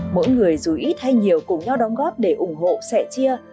mỗi người dù ít hay nhiều cùng nhau đóng góp để ủng hộ sẻ chia